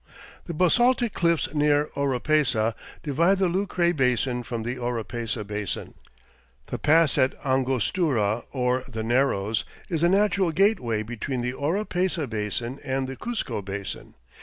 The basaltic cliffs near Oropesa divide the Lucre Basin from the Oropesa Basin. The pass at Angostura, or "the narrows," is the natural gateway between the Oropesa Basin and the Cuzco Basin.